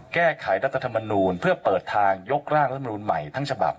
แก้ไขรัฐธรรมนูลเพื่อเปิดทางยกร่างรัฐมนูลใหม่ทั้งฉบับ